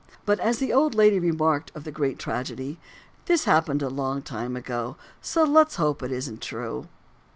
But as the old lady remarked of the great tragedy, this happened a long time ago, so let's hope it isn't true.